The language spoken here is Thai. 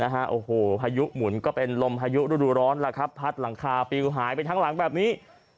ไฮยุหมุนก็เป็นลมไฮยุร้อนผัดหลังคาปิวหายทั้งหลังแบบนี้